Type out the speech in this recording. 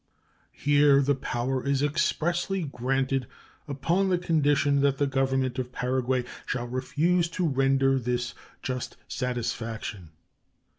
Here the power is expressly granted upon the condition that the Government of Paraguay shall refuse to render this "just satisfaction."